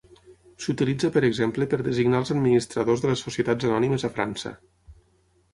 S'utilitza per exemple per designar els administradors de les Societats anònimes a França.